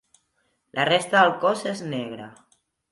La resta del cos és negre.